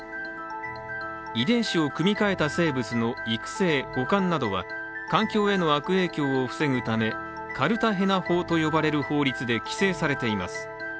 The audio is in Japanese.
遺伝子を組み換えた生物の育成・保管などは、環境への悪影響を防ぐためカルタヘナ法と呼ばれる法律で規制されています。